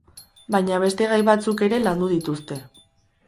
Baina beste gai batzuk ere landu dituzte.